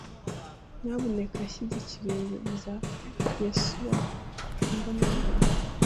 Nyamuneka shyikiriza Yesuwa imbonankubone.